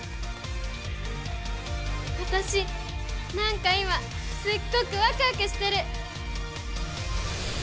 私なんか今すっごくワクワクしてる！